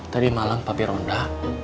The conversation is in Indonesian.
tadi malem papi ronda